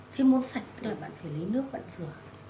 thế muốn sạch là bạn phải lấy nước bạn sửa